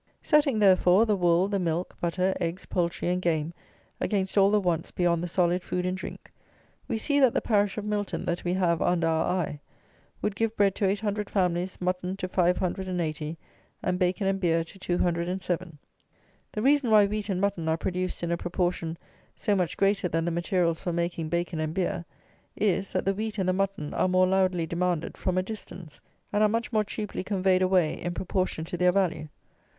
Setting, therefore, the wool, the milk, butter, eggs, poultry, and game against all the wants beyond the solid food and drink, we see that the parish of Milton, that we have under our eye, would give bread to 800 families, mutton to 580, and bacon and beer to 207. The reason why wheat and mutton are produced in a proportion so much greater than the materials for making bacon and beer, is, that the wheat and the mutton are more loudly demanded from a distance, and are much more cheaply conveyed away in proportion to their value.